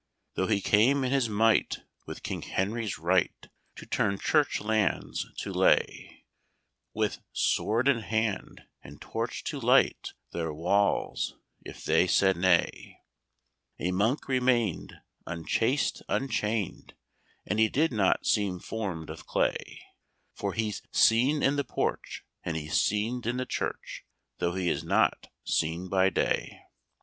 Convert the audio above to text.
"Though he came in his might, with King Henry's right, To turn church lands to lay, With sword in hand, and torch to light Their walls, if they said nay, A monk remain'd, unchased, unchain'd, And he did not seem form'd of clay, For he's seen in the porch, and he's seen in the church, Though he is not seen by day.